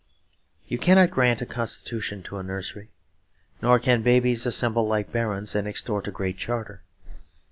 You cannot grant a constitution to a nursery; nor can babies assemble like barons and extort a Great Charter.